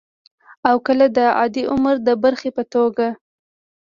او کله د عادي عمر د برخې په توګه